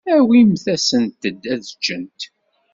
Awimt-asent-d ad ččent.